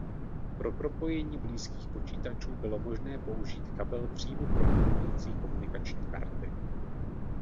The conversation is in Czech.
Pro propojení blízkých počítačů bylo možné použít kabel přímo propojující komunikační karty.